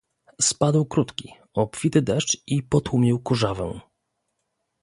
"Spadł krótki, obfity deszcz i potłumił kurzawę."